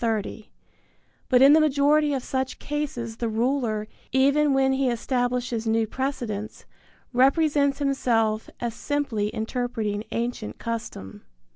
30); but in the majority of such cases the ruler, even when be establishes new precedents, represents himself as simply interpreting ancient custom.